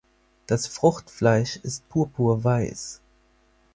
Das Fruchtfleisch ist purpur-weiß.